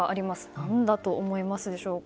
何だと思いますでしょうか。